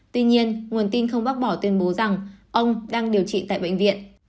tuy nhiên nguồn tin không bác bỏ tuyên bố rằng ông đang điều trị tại bệnh viện